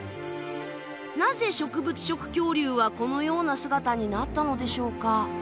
なぜ植物食恐竜はこのような姿になったのでしょうか。